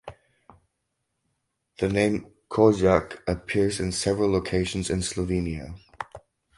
The name "Kozjak" appears in several locations in Slovenia.